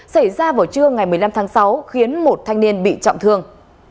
xảy ra vào trưa ngày một mươi năm tháng sáu khiến một thanh niên bị trọng thương